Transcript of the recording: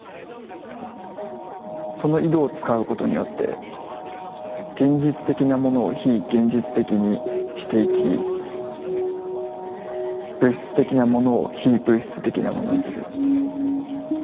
その色を使うことによって現実的なものを非現実的にしていき物質的なものを非物質的なものにする。